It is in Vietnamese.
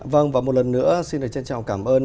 vâng và một lần nữa xin được trân trọng cảm ơn